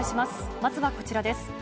まずはこちらです。